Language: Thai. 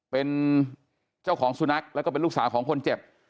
เป็นเจ้าของสุนัขแล้วก็เป็นลูกสาวของคนเจ็บ